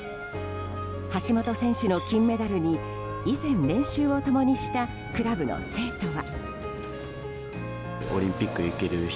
橋本選手の金メダルに以前、練習を共にしたクラブの生徒は。